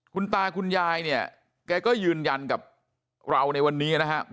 คุณตาคุณยายเนี่ยแกก็ยืนยันกับเราในวันนี้นะครับ